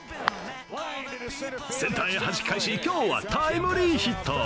センターへはじき返し、今日はタイムリーヒット。